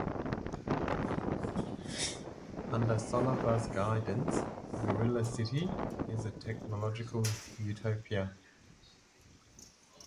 Under Solovar's guidance, Gorilla City is a technological utopia.